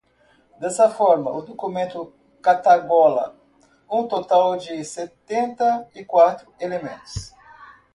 Dessa forma, o documento cataloga um total de sessenta e quatro elementos.